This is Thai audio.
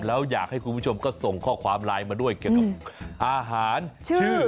แล้วอยากให้คุณผู้ชมก็ส่งข้อความไลน์มาด้วยเกี่ยวกับอาหารชื่อ